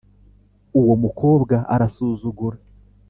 uwomukobwa arasuzugura